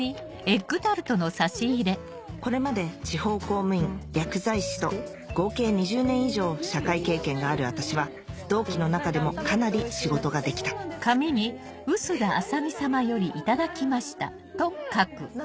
これまで地方公務員薬剤師と合計２０年以上社会経験がある私は同期の中でもかなり仕事ができたありがとうございます。